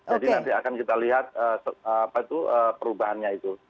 jadi nanti akan kita lihat perubahannya itu